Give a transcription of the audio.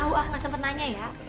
aku gak tau aku gak sempet tanya ya